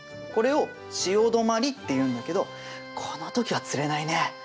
これを潮止まりっていうんだけどこの時は釣れないね。